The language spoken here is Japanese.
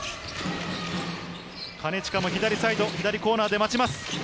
金近も左サイド、左コーナーで待ちます。